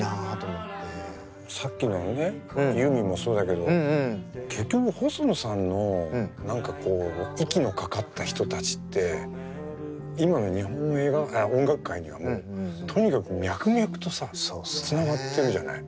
さっきのねユーミンもそうだけど結局細野さんの息のかかった人たちって今の日本の音楽界にはもうとにかく脈々とさつながってるじゃない。